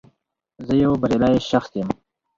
زه یو بریالی شخص یم